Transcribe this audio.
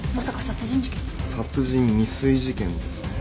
殺人未遂事件ですね。